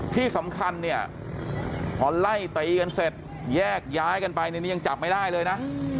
ที่สำคัญเนี่ยพอไล่ตีกันเสร็จแยกย้ายกันไปนี่ยังจับไม่ได้เลยนะ